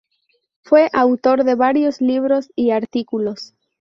Fue autor de varios libros y artículos.